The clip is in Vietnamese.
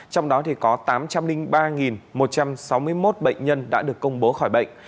trong đó có tám trăm linh ba một trăm sáu mươi một bệnh nhân đã được công bố khỏi bệnh